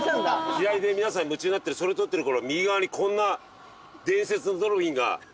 左で皆さん夢中になってそれ撮ってる頃右側にこんな伝説のドルフィンが。